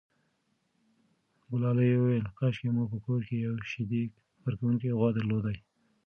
ګلالۍ وویل کاشکې مو په کور کې یوه شیدې ورکوونکې غوا درلودای.